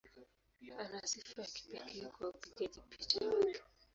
Ana sifa ya kipekee kwa upigaji picha wake.